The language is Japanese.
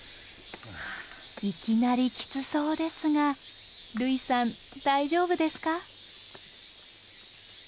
いきなりキツそうですが類さん大丈夫ですか？